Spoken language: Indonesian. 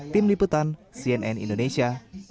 tim liputan cnn indonesia